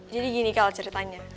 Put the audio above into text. jadi gini kal ceritanya